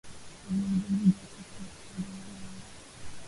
Alimjibu Jacob kwa kutaja namba